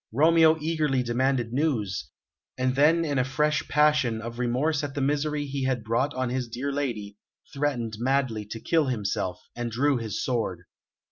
Romeo eagerly demanded news, and then, in a fresh passion of remorse at the misery he had brought on his dear lady, threatened madly to kill himself, and drew his sword.